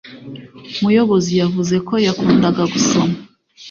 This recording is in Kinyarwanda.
muyobozi yavuze ko yakundaga gusoma